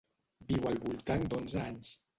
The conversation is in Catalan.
Viu al voltant d'onze anys.